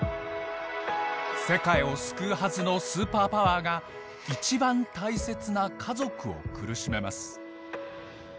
世界を救うはずのスーパーパワーが一番大切な家族を苦しめます。